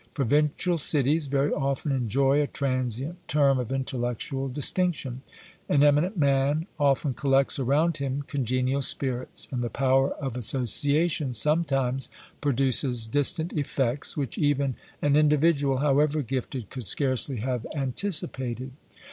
Provincial cities very often enjoy a transient term of intellectual distinction. An eminent man often collects around him congenial spirits, and the power of association sometimes produces distant effects which even an individual, however gifted, could scarcely have anticipated.